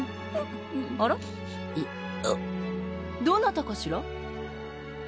どなたかしら？